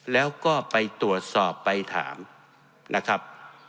แล้วก็ไปตรวจสอบไปถามนะครับ